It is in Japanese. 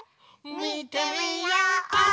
みてみよう！